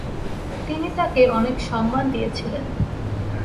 তিনি তাকে অনেক সম্মান দিয়েছিলেন।